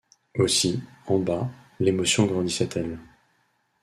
Aussi, en bas, l’émotion grandissait-elle.